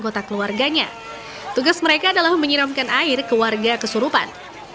tugas mereka adalah menyiramkan air ke warga kesurupan